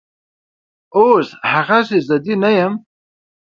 اوس هغسې ضدي نه یم